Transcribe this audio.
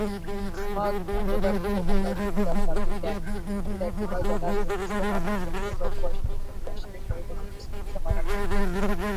SMUG inaendelea kufanya kazi bila kibali halali alisema na kuongeza kuwa shughuli za shirika hilo zimesitishwa mara moja